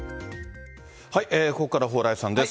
ここから蓬莱さんです。